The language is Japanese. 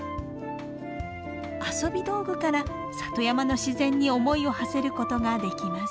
遊び道具から里山の自然に思いをはせることができます。